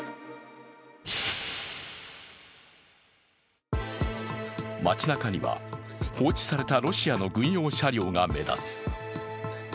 それは街なかには放置されたロシアの軍用車両が目立つ。